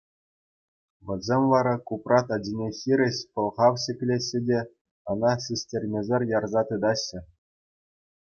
Вӗсем вара Купрат ачине хирӗҫ пӑлхав ҫӗклеҫҫӗ те ӑна систермесӗр ярса тытаҫҫӗ.